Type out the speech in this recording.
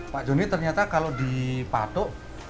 pak jonny ternyata kalau di patu